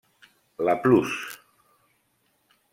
La Plus!